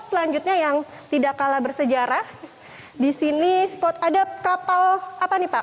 selanjutnya yang tidak kalah bersejarah di sini spot ada kapal apa nih pak